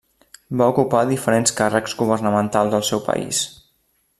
Va ocupar diferents càrrecs governamentals al seu país.